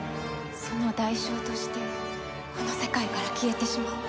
その代償としてこの世界から消えてしまう。